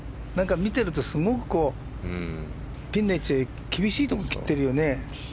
見てると、ピンの位置が厳しいところに切ってるよね。